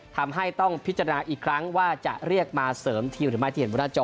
ทำให้ต้องพิจารณาอีกครั้งว่าจะเรียกมาเสริมทีมหรือไม่ที่เห็นบนหน้าจอ